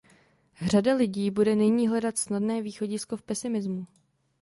Řada lidí bude nyní hledat snadné východisko v pesimismu.